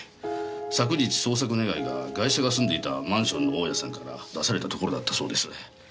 昨日捜索願がガイシャが住んでいたマンションの大家さんから出されたところだったそうです。